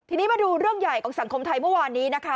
ทีนี้มาดูเรื่องใหญ่ของสังคมไทยเมื่อวานนี้นะคะ